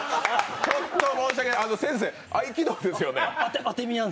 申し訳ない、先生、合気道ですよね？